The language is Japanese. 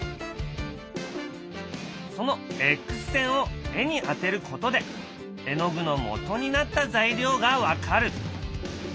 そのエックス線を絵に当てることで絵の具のもとになった材料が分かる。